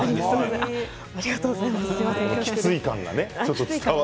ありがとうございます。